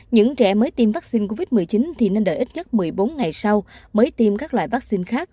những trẻ mới tiêm vaccine covid một mươi chín thì nên đợi ít nhất một mươi bốn ngày sau mới tiêm các loại vaccine khác